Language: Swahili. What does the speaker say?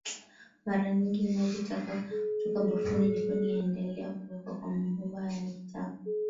Mara nyingi maji taka kutoka bafuni jikoni yanaendelea kuwekwa kwa mabomba ya maji taka